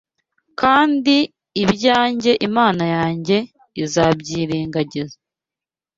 kandi ibyanjye Imana yanjye irabyirengagiza?